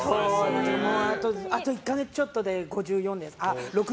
あと１か月ちょっとで５４ですか。